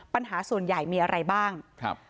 ปัญหาส่วนใหญ่มีอะไรบ้างครับ